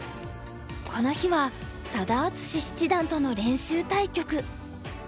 この日は佐田篤史七段との練習対局。